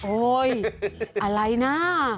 โอ๊ยอะไรนะ